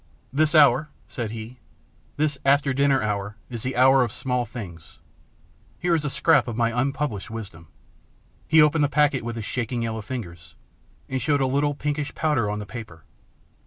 " This hour," said he, " this after dinner hour is the hour of small things. Here is a scrap of my unpublished wisdom." He opened the packet with his shaking yellow fingers, and showed a little pinkish powder on the paper.